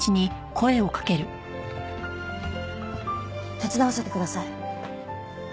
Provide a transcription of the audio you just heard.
手伝わせてください。